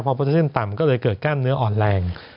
พอเปอร์เซ็นต์ต่ำก็เลยเกิดกล้ามเนื้ออ่อนแรง